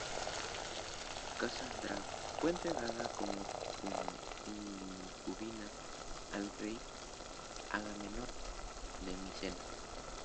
Casandra fue entregada como concubina al rey Agamenón de Micenas.